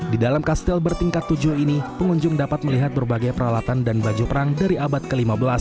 di dalam kastil bertingkat tujuh ini pengunjung dapat melihat berbagai peralatan dan baju perang dari abad ke lima belas